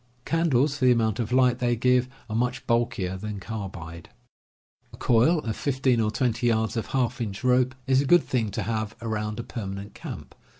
Candles, for the amount of light they give, are much bulkier than carbide. A coil of fifteen or twenty yards of half inch rope is TENTS AND TOOLS 51 a good thing to have around a permanent camp.